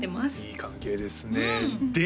いい関係ですねで